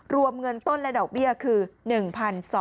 รวมเงินต้นและดอกเบี้ยคือ๑๒๐๐บาท